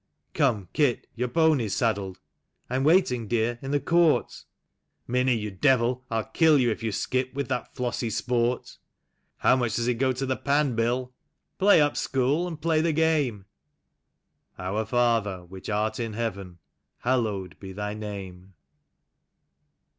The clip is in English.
"... Come, Kit, your pony is saddled. I'm waiting, dear, in the court ...... Minnie, you devil, I'll kill you if you skip with that flossy sport ...... How much does it go to the pan. Bill ?... play up. School, and play the game ...... Our Father, which art in heaven, hallowed be Thy name